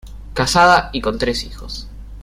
Casada y con tres hijos.